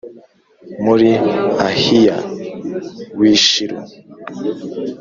Muri ahiya w i shilo